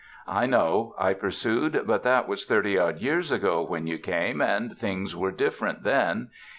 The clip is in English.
"I know," I pursued, "but that was thirty odd years ago when you came and things were different then.